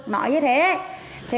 nói như thế